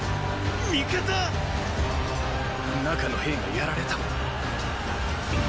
味方⁉中の兵がやられた⁉。